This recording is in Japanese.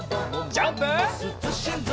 ジャンプ！